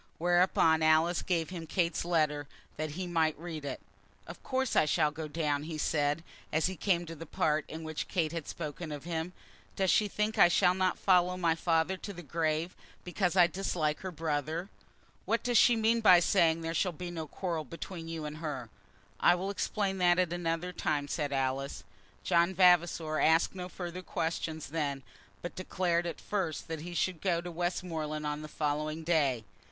Whereupon Alice gave him Kate's letter, that he might read it. "Of course I shall go down," he said, as he came to that part in which Kate had spoken of him. "Does she think I shall not follow my father to the grave, because I dislike her brother? What does she mean by saying that there shall be no quarrel between you and her?" "I will explain that at another time," said Alice. John Vavasor asked no further questions then, but declared at first that he should go to Westmoreland on the following day.